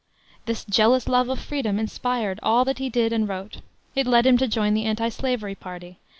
This jealous love of freedom inspired all that he did and wrote. It led him to join the Antislavery party.